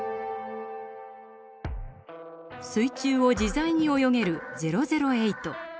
水中を自在に泳げる００８。